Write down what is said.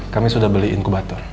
kami sudah beli inkubator